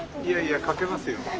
いやいやかけますよ。